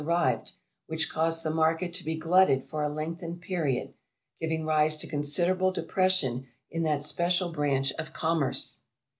arrived, which caused the market to be glutted for a lengthened period, giving rise to considerable depression in that special branch of commerce.